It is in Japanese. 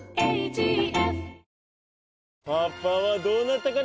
パパはどうなったかな？